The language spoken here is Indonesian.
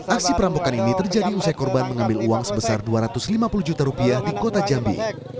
aksi perampokan ini terjadi usai korban mengambil uang sebesar dua ratus lima puluh juta rupiah di kota jambi